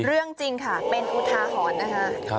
จริงจริงค่ะเป็นอุทาหอนนะคะ